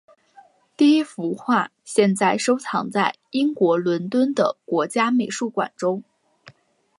第一幅画现在收藏在英国伦敦的国家美术馆中。